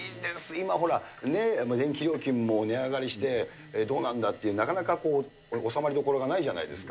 今ほら、ねっ、電気料金も値上がりして、どうなんだって、なかなかこう、収まりどころがないじゃないですか。